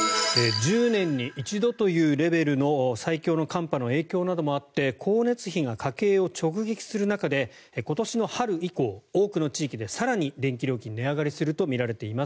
１０年に一度というレベルの最強の寒波の影響などもあって光熱費が家計を直撃する中で今年の春以降多くの地域で更に電気料金が値上がりするとみられています。